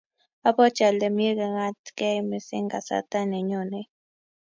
obwoti ale mie keng'atgei mising kasarta nenyonei